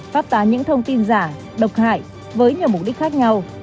pháp tá những thông tin giả độc hại với nhiều mục đích khác nhau